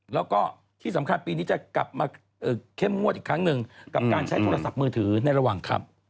แล้วก็ที่สำคัญปีนี้จะกลับมาเข้มงวดอีกครั้งหนึ่งกับการใช้โทรศัพท์มือถือในระหว่างขับ